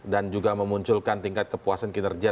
dan juga memunculkan tingkat kepuasan kinerja